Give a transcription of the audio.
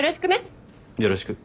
よろしくね。